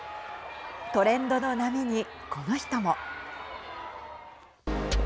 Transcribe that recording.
トレンドの波にこの人も。